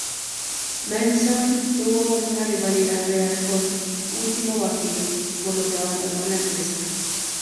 Manson tuvo una rivalidad real con Último Vampiro, por lo que abandono la empresa.